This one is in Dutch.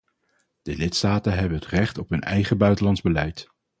De lidstaten hebben het recht op hun eigen buitenlands beleid.